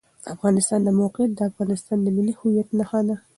د افغانستان د موقعیت د افغانستان د ملي هویت نښه ده.